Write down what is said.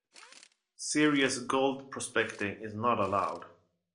Serious gold prospecting is not allowed.